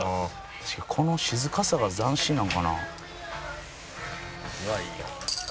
「この静かさが斬新なんかな？」